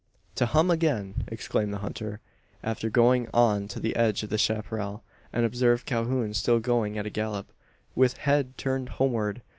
"To hum agin!" exclaimed the hunter, after going on to the edge of the chapparal, and observed Calhoun still going at a gallop, with head turned homeward.